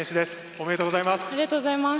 おめでとうございます。